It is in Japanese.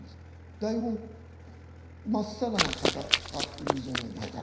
台本まっさらな方いるじゃないですか。